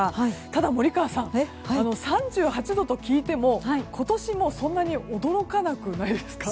ただ、森川さん３８度と聞いても今年もそんなに驚かなくないですか？